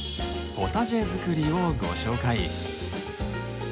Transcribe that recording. ポタジェ作りをご紹介。